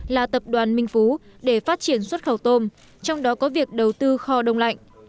là tập đoàn minh phú để phát triển xuất khẩu tôm trong đó có việc đầu tư kho đông lạnh